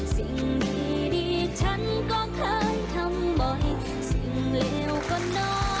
สิ่งดีฉันก็เคยทำบ่อยสิ่งเลวก็น้อย